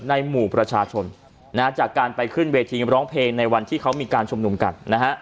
ในหมู่ประชาชนนะฮะจากการไปขึ้นเวทีร้องเพลงในวันที่เขามีการชุมนุมกันนะฮะ